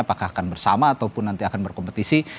apakah akan bersama ataupun nanti akan berkompetisi